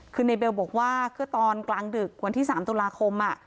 คือในเบลบอกว่าคือตอนกลางดึกวันที่๓ตุลาคม